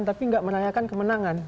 tapi tidak merayakan kemenangan